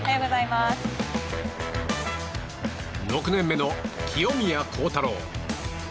６年目の清宮幸太郎。